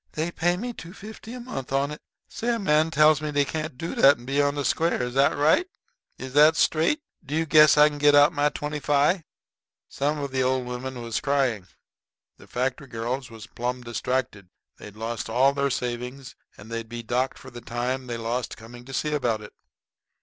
"Dey paid me two fifty a mont' on it. Say, a man tells me dey can't do dat and be on de square. Is dat straight? Do you guess I can get out my twenty fi'?" Some of the old women was crying. The factory girls was plumb distracted. They'd lost all their savings and they'd be docked for the time they lost coming to see about it.